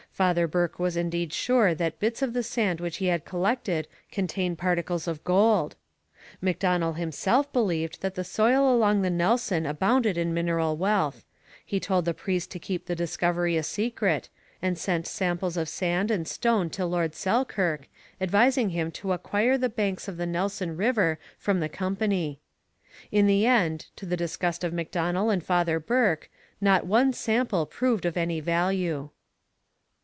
Father Burke was indeed sure that bits of the sand which he had collected contained particles of gold. Macdonell himself believed that the soil along the Nelson abounded in mineral wealth. He told the priest to keep the discovery a secret, and sent samples of sand and stone to Lord Selkirk, advising him to acquire the banks of the Nelson river from the company. In the end, to the disgust of Macdonell and Father Burke, not one sample proved of any value.